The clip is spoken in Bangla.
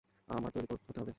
আমার তৈরি হতে হবে।